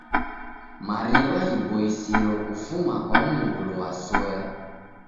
Mariw'a ghiboisiro kufuma kwa mngulu wa soya.